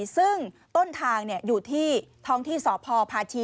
ซึ่งต้นทางอยู่ที่ท้องที่สพพาชี